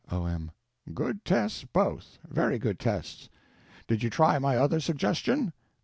O.M. Good tests, both; very good tests. Did you try my other suggestion?